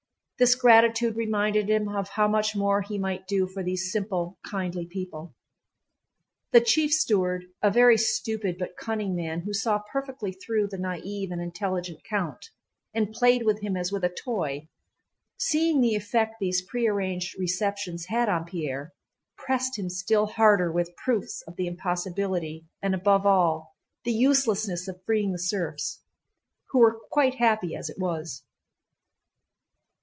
This gratitude reminded him of how much more he might do for these simple, kindly people. The chief steward, a very stupid but cunning man who saw perfectly through the naïve and intelligent count and played with him as with a toy, seeing the effect these prearranged receptions had on Pierre, pressed him still harder with proofs of the impossibility and above all the uselessness of freeing the serfs, who were quite happy as it was.